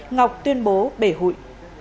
ngọc tuyên bố bể hụi